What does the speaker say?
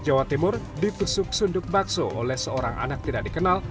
jawa timur ditusuk sunduk bakso oleh seorang anak tidak dikenal